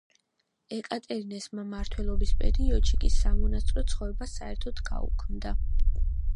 ეკატერინეს მმართველობის პერიოდში კი სამონასტრო ცხოვრება საერთოდ გაუქმდა.